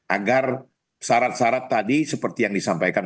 agar syarat syarat tadi seperti yang disampaikan